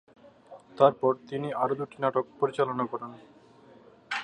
তারপর তিনি আরো দুটি নাটক পরিচালনা করেন।